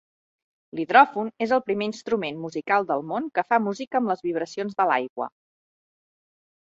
L'hidròfon és el primer instrument musical del món que fa música amb les vibracions de l'aigua.